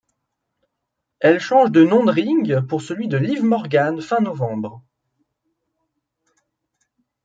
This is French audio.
Elle change de nom de ring pour celui de Liv Morgan fin novembre.